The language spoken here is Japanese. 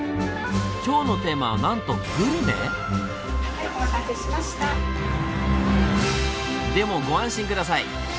今日のテーマはなんとグルメ⁉でもご安心下さい！